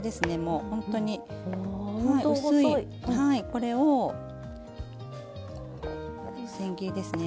これを千切りですね。